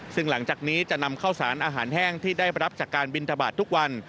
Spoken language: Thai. ซึ่งหลังจากนี้จะนำข้าวสารอาหารแห้งที่ได้รับจากการบินทบาททุกวัน